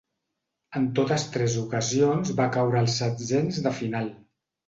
En totes tres ocasions va caure als setzens de final.